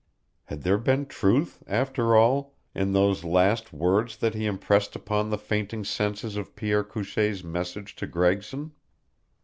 Had there been truth, after all, in those last words that he impressed upon the fainting senses of Pierre Couchee's message to Gregson?